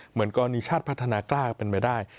เหมือนกรณีชาติพัฒนากล้าเป็นไปได้